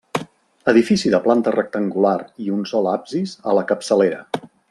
Edifici de planta rectangular i un sol absis a la capçalera.